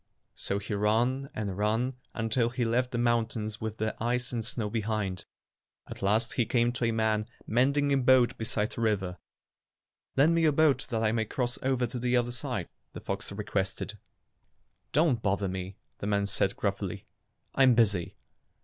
So he ran and ran until he left the moun tains with their ice and snow behind. At 222 Fairy Tale Foxes last he came to a man mending a boat beside a river. "Lend me your boat that I may cross over to the other side," the fox requested. "Don't bother me," the man said gruffly. "I'm busy."